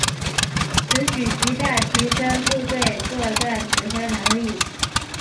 此举极大提升部队作战指挥能力。